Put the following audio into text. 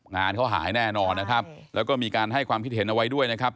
งานเขาหายแน่นอนนะครับแล้วก็มีการให้ความคิดเห็นเอาไว้ด้วยนะครับ